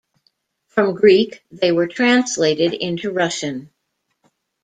From Greek they were translated into Russian.